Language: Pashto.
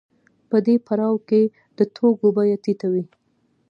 په دې پړاو کې د توکو بیه ټیټه وي